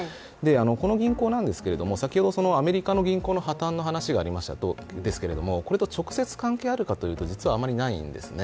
この銀行なんですが、先ほどアメリカの銀行の破綻の話がありましたけれども、これと直接関係があるかというと、実はあまりないんですね。